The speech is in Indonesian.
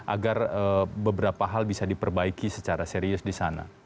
agar beberapa hal bisa diperbaiki secara serius di sana